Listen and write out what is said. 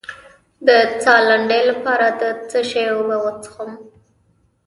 د ساه لنډۍ لپاره د څه شي اوبه وڅښم؟